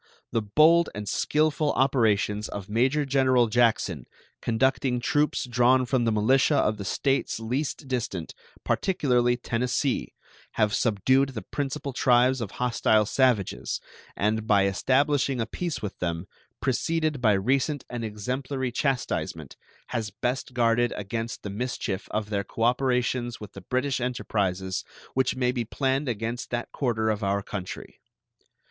The bold and skillful operations of Major General Jackson, conducting troops drawn from the militia of the States least distant, particularly Tennessee, have subdued the principal tribes of hostile savages, and, by establishing a peace with them, preceded by recent and exemplary chastisement, has best guarded against the mischief of their cooperations with the British enterprises which may be planned against that quarter of our country.